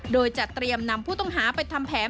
โดยจะเตรียมนำผู้ต้องหาไปทำแผน